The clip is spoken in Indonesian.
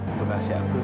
untuk kasih aku